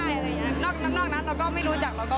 อันนี้ก็อย่างนั้นแต่ก็ต้องดูกันยาวค่ะ